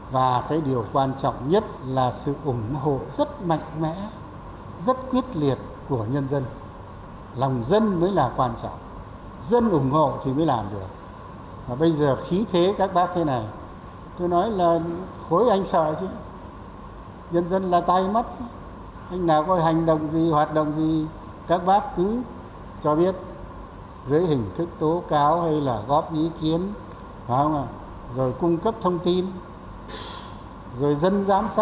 và cái điều quan trọng nhất là sự ủng hộ rất mạnh mẽ rất quyết liệt của nhân dân